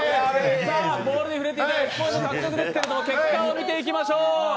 ボールに触れていたら１ポイント獲得ですけれども結果を見ていきましょう。